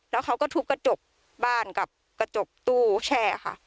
แล้วเขาก็ทุบกระจกบ้านกับกระจกตู้แช่ค่ะ